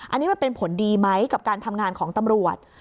อันนี้มันเป็นผลดีไหมกับการทำงานของตำรวจ